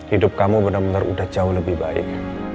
hidup kamu benar benar udah jauh lebih baik